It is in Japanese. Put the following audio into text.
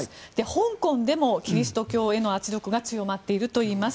香港でもキリスト教への圧力が強まっているといいます。